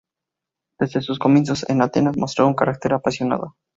Desde sus comienzos en Atenas mostró un carácter apasionado.